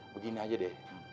begini aja deh